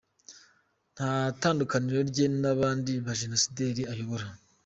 Nta tandukaniro rye n’abandi bajenosideri ayobora.